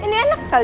ini enak sekali